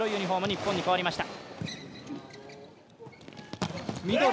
日本にかわりました。